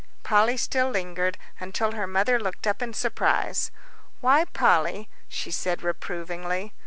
Polly still lingered, until her mother looked up in surprise. "Why, Polly," she said, reprovingly.